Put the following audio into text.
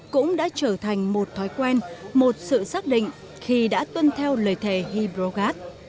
cũng đã trở thành một thói quen một sự xác định khi đã tuân theo lời thề hi pro ga